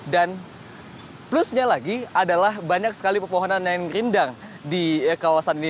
dan plusnya lagi adalah banyak sekali pepohonan yang rindang di kawasan ini